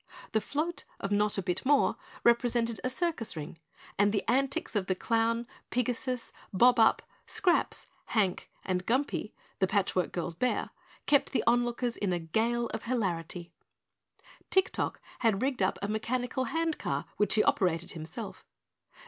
The float of Notta Bit More represented a circus ring, and the antics of the clown, Pigasus, Bob Up, Scraps, Hank and Grumpy, The Patch Work Girl's bear, kept the onlookers in a gale of hilarity. Tik Tok had rigged up a mechanical handcar, which he operated himself.